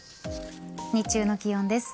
日中の気温です。